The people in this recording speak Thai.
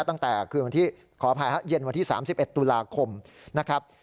ตั้งแต่คือขออภัยฮะเย็นวันที่๓๑ตุลาคมนะครับ